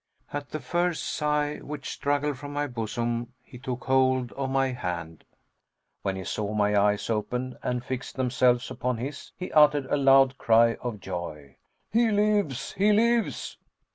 At the first sigh which struggled from my bosom, he took hold of my hand. When he saw my eyes open and fix themselves upon his, he uttered a loud cry of joy. "He lives! he lives!"